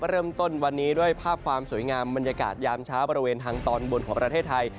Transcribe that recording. เริ่มต้นวันนี้ด้วยภาพความสวยงามบรรยากาศยามเช้าบริเวณทางตอนบนของประเทศไทย